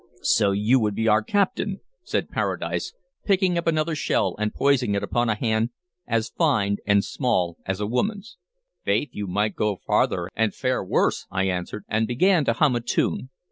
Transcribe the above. "So you would be our captain?" said Paradise, picking up another shell, and poising it upon a hand as fine and small as a woman's. "Faith, you might go farther and fare worse," I answered, and began to hum a tune.